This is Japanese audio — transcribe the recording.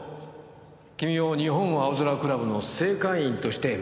君を日本青空クラブの正会員として迎えます。